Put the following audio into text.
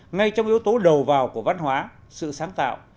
ngay trong yếu tố đầu vào của văn hóa sự sáng tạo